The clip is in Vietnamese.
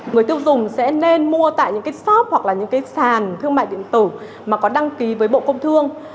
người tiêu dùng sẽ nên mua tại những cái shop hoặc là những cái sàn thương mại điện tử mà có đăng ký với bộ công thương